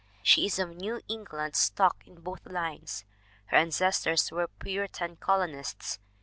She is of New England stock in both lines. Her ancestors were Puritan colonists.